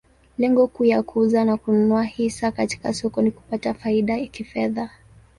Lengo kuu ya kuuza na kununua hisa katika soko ni kupata faida kifedha.